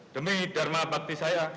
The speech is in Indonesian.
demi dharma pakti saya